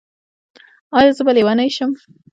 ایا زه به لیونۍ شم؟